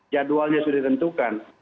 jadwalnya sudah ditentukan